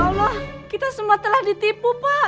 allah kita semua telah ditipu pak